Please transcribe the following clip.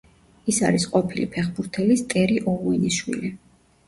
ის არის ყოფილი ფეხბურთელის, ტერი ოუენის შვილი.